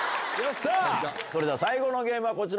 それでは最後のゲームはこちら。